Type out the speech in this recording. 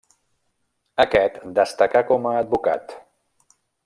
Aquest destacà com a advocat.